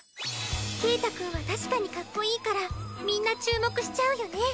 ケータくんは確かにかっこいいからみんな注目しちゃうよね。